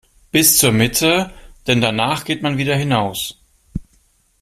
Bis zur Mitte, denn danach geht man wieder hinaus.